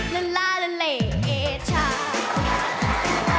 ละลาละเลชา